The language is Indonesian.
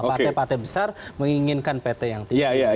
partai partai besar menginginkan pt yang tinggi